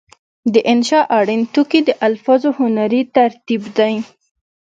د انشأ اړین توکي د الفاظو هنري ترتیب دی.